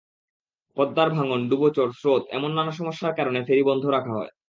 পদ্মার ভাঙন, ডুবোচর, স্রোত—এমন নানা সমস্যার কারণে ফেরি বন্ধ রাখা হয়।